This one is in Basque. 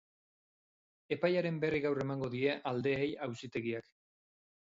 Epaiaren berri gaur emango die aldeei auzitegiak.